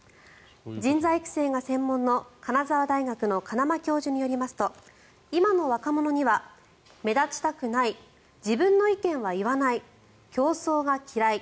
人材育成が専門の金沢大学の金間教授によりますと今の若者には目立ちたくない自分の意見は言わない競争が嫌い